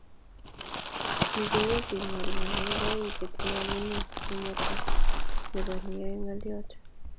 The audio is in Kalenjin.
Ni ko uu kengol ngalek aeng chetinye amune nematoo nebo neyoe ngolyot